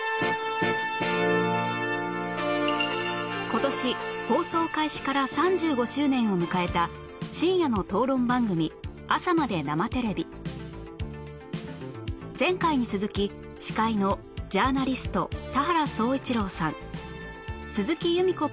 今年放送開始から３５周年を迎えた深夜の討論番組『朝まで生テレビ！』前回に続き司会のジャーナリスト田原総一朗さん鈴木裕美子